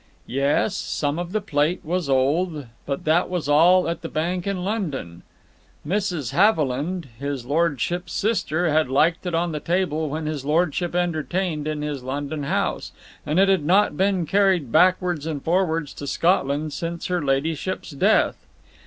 Yes, some of the plate was old, but that was all at the bank in London. Mrs. Haviland, his lordship's sister, had liked it on the table when his lordship entertained in his London house, and it had not been carried backwards and forwards to Scotland since her ladyship's death.